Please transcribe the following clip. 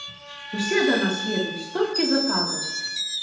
Усе да нас едуць, столькі заказаў!